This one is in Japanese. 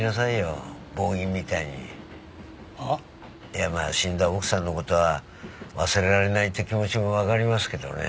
いやまあ死んだ奥さんの事が忘れられないって気持ちもわかりますけどね。